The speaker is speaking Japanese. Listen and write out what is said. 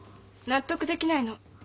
納得できないの。